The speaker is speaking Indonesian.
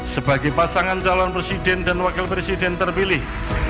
sebagai pasangan calon presiden dan wakil presiden terpilih